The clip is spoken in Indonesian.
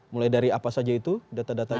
mulai dari apa saja itu data datanya